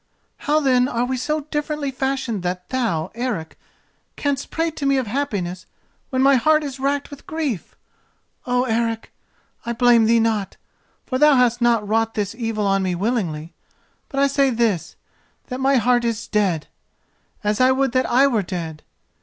"How then are we so differently fashioned that thou, Eric, canst prate to me of happiness when my heart is racked with grief? Oh, Eric, I blame thee not, for thou hast not wrought this evil on me willingly; but I say this: that my heart is dead, as I would that I were dead.